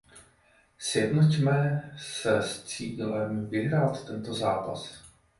Sjednoťme se s cílem vyhrát tento zápas.